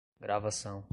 gravação